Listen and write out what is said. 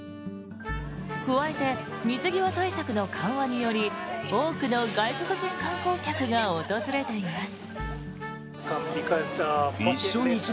加えて、水際対策の緩和により多くの外国人観光客が訪れています。